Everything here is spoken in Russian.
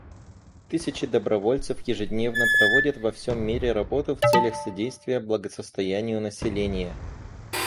Тысячи добровольцев ежедневно проводят во всем мире работу в целях содействия благосостоянию населения.